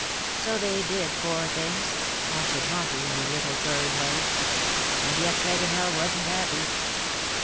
'' So they did, poor things,'^ answered Monty, in his little purring way. ^' And yet Tregonell wasn't happy.''